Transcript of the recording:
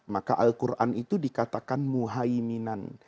maka al quran itu dikatakan muhaiminan